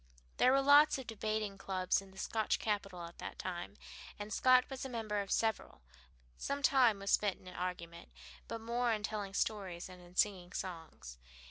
There were lots of debating clubs in the Scotch capital at that time, and Scott was a member of several. Some time was spent in argument, but more in telling stories and in singing songs.